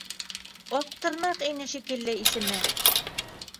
Аҡтырнаҡ ине шикелле исеме.